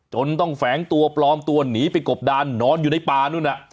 จนต้องแฝงตัวปลอมตัวหนีไปกบดานนอนอยู่ในป่านู่นน่ะ